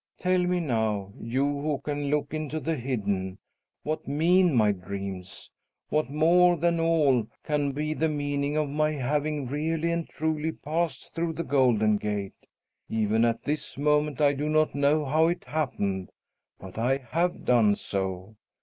"Tell me now, you who can look into the hidden, what mean my dreams? What, more than all, can be the meaning of my having really and truly passed through the Golden Gate? Even at this moment I do not know how it happened, but I have done so.